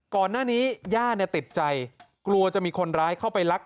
ก่อนหน้านี้ย่าติดใจกลัวจะมีคนร้ายเข้าไปรัก